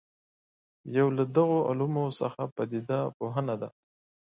یو له دغو علومو څخه پدیده پوهنه ده.